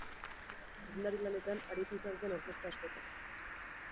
Zuzendari-lanetan aritu izan zen orkestra askotan.